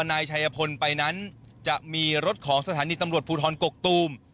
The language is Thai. นายชัยพลไปนั้นจะมีรถของสถานีตำรวจภูทรกกตูม